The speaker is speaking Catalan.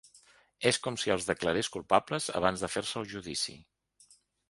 És com si els declarés culpables abans de fer-se el judici.